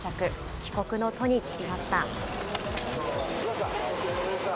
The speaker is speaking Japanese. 帰国の途に就きました。